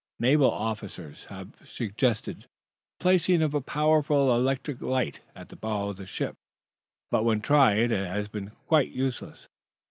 Naval officers have suggested the placing of a powerful electric light at the bow of the submarine craft, but, when tried, it has been found quite useless.